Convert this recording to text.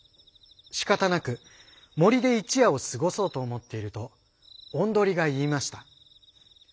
しかたなく森で一夜を過ごそうと思っているとおんどりが言いました。